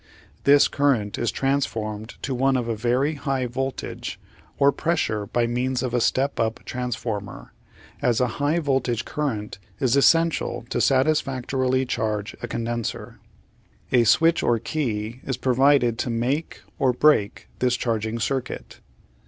This current is transformed to one of a very high voltage or pressure by means of a step up transformer, as a high voltage current is essential to satisfactorily charge a condenser. A switch or key is provided to make, or break, this charging circuit.